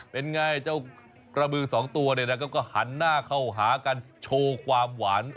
เป็นไงเจ้ากระบือสองตัวเนี่ยนะครับก็หันหน้าเข้าหากันโชว์ความหวาน